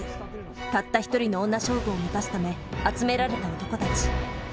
たった一人の女将軍を満たすため集められた男たち。